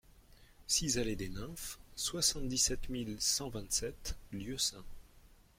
six allée des Nymphes, soixante-dix-sept mille cent vingt-sept Lieusaint